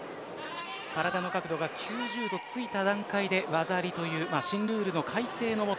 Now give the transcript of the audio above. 体の角度が９０度ついた段階で技ありという新ルールの改正の下